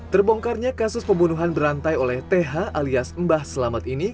terbongkarnya kasus pembunuhan berantai oleh th alias mbah selamat ini